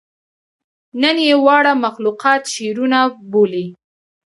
نن ئې واړه مخلوقات شعرونه بولي